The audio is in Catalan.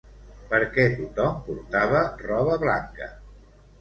Per què tothom portava roba blanca?